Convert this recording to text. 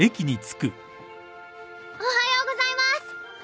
おはようございます。